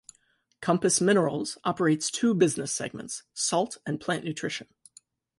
Compass Minerals operates two business segments, Salt and Plant Nutrition.